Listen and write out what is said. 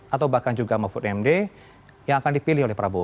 atau bahkan juga mahfud md yang akan dipilih oleh prabowo